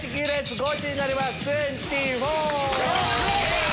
ゴチになります！